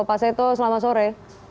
pak seto selamat sore